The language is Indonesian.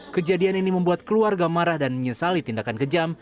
kejadian ini membuat keluarga marah dan menyesali tindakan kejam